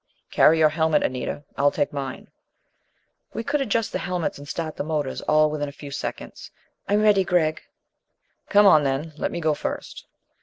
"Carry your helmet, Anita. Ill take mine." We could adjust the helmets and start the motors all within a few seconds. "I'm ready, Gregg." "Come on, then. Let me go first."